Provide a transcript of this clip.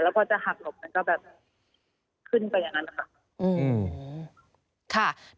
แล้วก็จะหักหลบแล้วก็แบบขึ้นไปอย่างนั้นค่ะอืมค่ะ